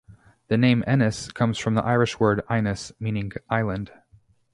The name Ennis comes from the Irish word "Inis", meaning "island".